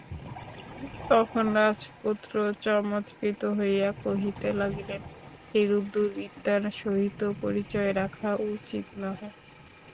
তখন রাজপুত্র চমৎকৃত হইয়া কহিতে লাগিলেন এরূপ দুর্বৃত্তার সহিত পরিচয় রাখা উচিত নহে।